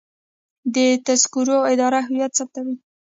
د تذکرو اداره هویت ثبتوي